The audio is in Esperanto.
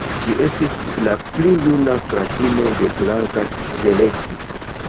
Ŝi estis la pli juna fratino de Blanka Teleki.